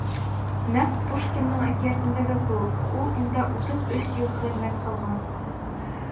Нәҡ Пушкиндың әкиәтендәге кеүек, ул унда утыҙ өс йыл хеҙмәт һалған.